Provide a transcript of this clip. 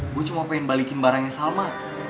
gue cuma pengen balikin barangnya salma